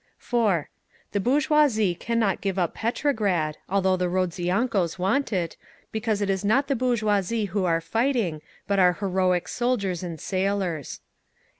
"4. The bourgeoisie cannot give up Petrograd, although the Rodziankos want it, because it is not the bourgeoisie who are fighting, but our heroic soldiers and sailors.